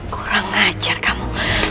kurang ngajar kamu